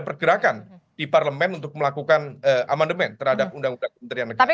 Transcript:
pergerakan di parlemen untuk melakukan amandemen terhadap undang undang kementerian negara